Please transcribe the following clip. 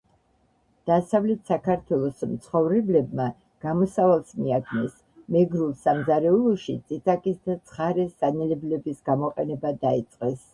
დასავლეთ საქართველოს მცხოვრებლებმა გამოსავალს მიაგნეს. მეგრულ სამზარეულოში წიწაკის და ცხარე სანენებლების გამოყენება დაიწყეს